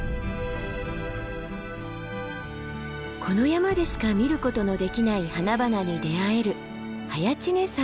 この山でしか見ることのできない花々に出会える早池峰山です。